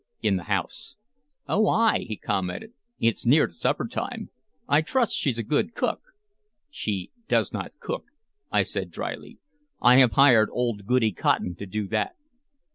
"In the house." "Oh, ay!" he commented. "It's near to supper time. I trust she's a good cook?" "She does not cook," I said dryly. "I have hired old Goody Cotton to do that."